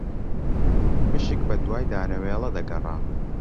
مشک بەدوای دانەوێڵە دەگەڕا